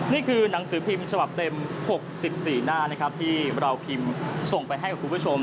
นี่คือหนังสือพิมพ์ฉบับเต็ม๖๔หน้านะครับที่เราพิมพ์ส่งไปให้กับคุณผู้ชม